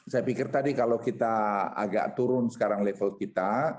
saya pikir tadi kalau kita agak turun sekarang level kita